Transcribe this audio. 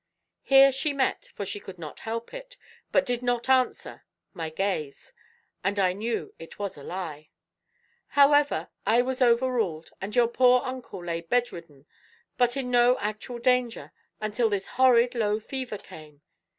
Here she met, for she could not help it, but did not answer, my gaze; and I knew it was a lie. "However, I was over ruled; and your poor uncle lay bed ridden, but in no actual danger, until this horrid low fever came.